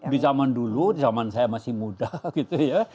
di zaman dulu di zaman saya masih muda